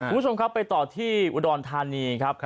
คุณผู้ชมครับไปต่อที่อุดรธานีครับ